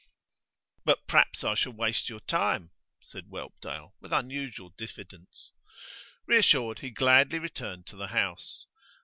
'But perhaps I shall waste your time?' said Whelpdale, with unusual diffidence. Reassured, he gladly returned to the house.